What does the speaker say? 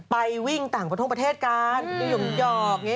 ไปวิ่งต่างประทงประเทศกาลหย่มหยอก